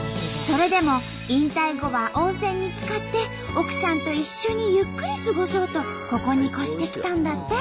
それでも引退後は温泉につかって奥さんと一緒にゆっくり過ごそうとここに越してきたんだって。